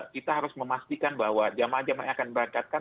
kita harus memastikan bahwa jemaah jemaah yang akan berangkatkan